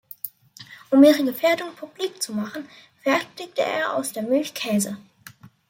Um ihre Gefährdung publik zu machen, fertigte er aus der Milch Käse.